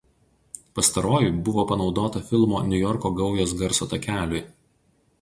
Pastaroji buvo panaudota filmo „Niujorko gaujos“ garso takeliui.